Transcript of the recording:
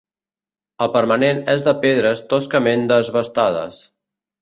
El permanent és de pedres toscament desbastades.